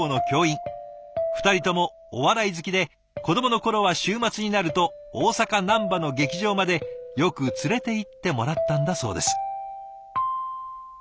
２人ともお笑い好きで子どもの頃は週末になると大阪・難波の劇場までよく連れていってもらったんだそうです。